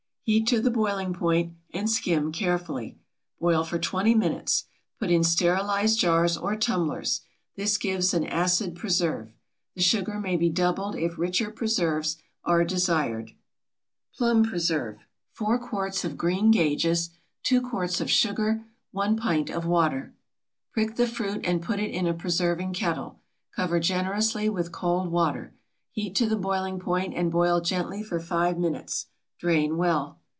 Heat to the boiling point and skim carefully. Boil for twenty minutes. Put in sterilized jars or tumblers. This gives an acid preserve. The sugar may be doubled if richer preserves are desired. PLUM PRESERVE. 4 quarts of green gages. 2 quarts of sugar. 1 pint of water. Prick the fruit and put it in a preserving kettle. Cover generously with cold water. Heat to the boiling point and boil gently for five minutes. Drain well.